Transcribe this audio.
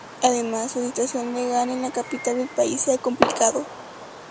Además, su situación legal en la capital del país se ha complicado.